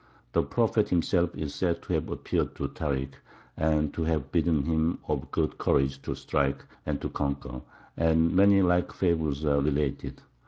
The Prophet himself is said to have appeared to Tārik, and to have bidden him be of good courage, to strike, and to conquer; and many like fables are related.